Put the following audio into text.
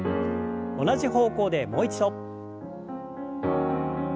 同じ方向でもう一度。